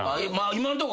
今んとこ